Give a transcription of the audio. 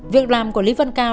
việc làm của lý văn cao